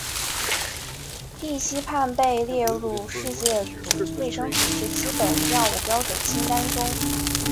地西泮被列入世界卫生组织基本药物标准清单中。